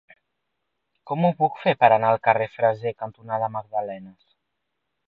Com ho puc fer per anar al carrer Freser cantonada Magdalenes?